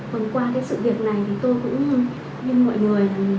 vâng qua cái sự việc này thì tôi cũng như mọi người